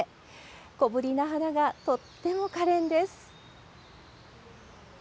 小ぶりな花がとってもかれんです。